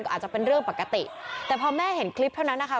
อาจจะเป็นเรื่องปกติแต่พอแม่เห็นคลิปเท่านั้นนะคะ